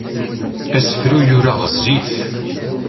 Asefru yura ɣezzif.